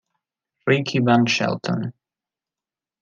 Ricky Van Shelton